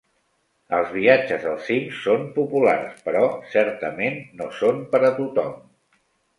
Els viatges al cim són populars, però certament no són per a tothom.